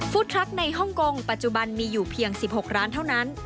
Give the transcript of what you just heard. ทรัคในฮ่องกงปัจจุบันมีอยู่เพียง๑๖ร้านเท่านั้น